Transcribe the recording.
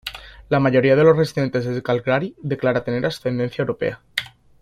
La mayoría de los residentes de Calgary declara tener ascendencia europea.